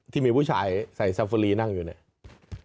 ที่มีผู้ชายใส่ซาฟารีนั่งอยู่เนี่ย